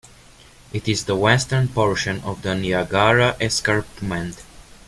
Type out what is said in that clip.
It is the western portion of the Niagara Escarpment.